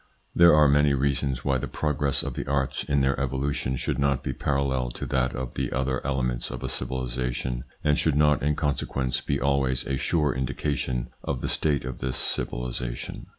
There are many reasons why the progress of the arts in their evolution should not be parallel to that of the other elements of a civilisation, and should not in consequence be always a sure indication of the state of this civilisation.